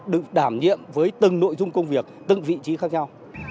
được đảm nhiệm với từng nội dung công việc từng vị trí khác nhau